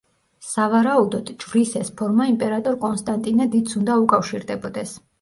სავარაუდოდ, ჯვრის ეს ფორმა იმპერატორ კონსტანტინე დიდს უნდა უკავშირდებოდეს.